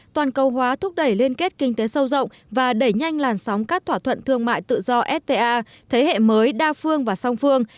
toàn cầu hóa thúc đẩy liên kết kinh tế sâu rộng và đẩy nhanh làn sóng các thỏa thuận thương mại tự do fta thế hệ mới đa phương và song phương